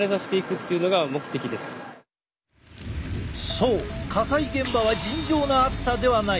そう火災現場は尋常な暑さではない。